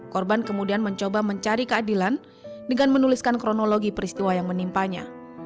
korban kemudian mencoba mencari keadilan dengan menuliskan kronologi peristiwa yang menimpanya